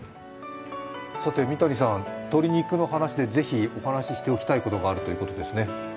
三谷さん、鶏肉の話でぜひお話ししておきたいことがあるということですね。